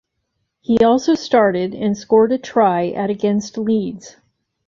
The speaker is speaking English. He also started, and scored a try, at against Leeds.